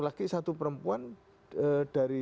laki satu perempuan dari